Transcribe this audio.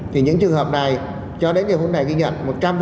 thì những trường hợp này cho đến ngày hôm nay ghi nhận